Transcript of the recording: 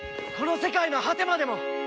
この世界の果てまでも！